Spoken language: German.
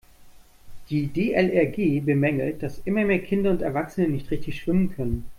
Die DLRG bemängelt, dass immer mehr Kinder und Erwachsene nicht richtig schwimmen können.